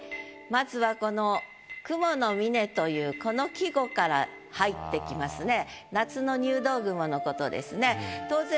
まずはこの「雲の峰」というこの季語から入ってきますね。